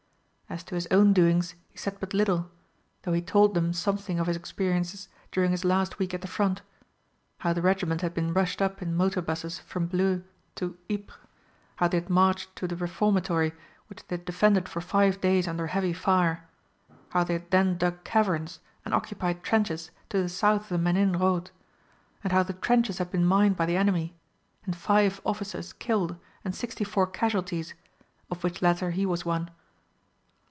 As to his own doings he said but little, though he told them something of his experiences during his last week at the front how the regiment had been rushed up in motor buses from Bleu to Ypres; how they had marched to the Reformatory which they had defended for five days under heavy fire; how they had then dug caverns and occupied trenches to the south of the Menin road, and how the trenches had been mined by the enemy, and five officers killed and sixty four casualties, of which latter he was one.